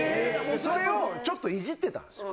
それをちょっといじってたんですよ